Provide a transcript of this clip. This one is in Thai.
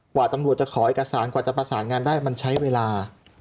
กว่าตำรวจจะขอเอกสารกว่าจะประสานงานได้มันใช้เวลา